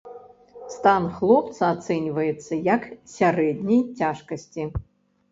Стан хлопца ацэньваецца, як сярэдняй цяжкасці.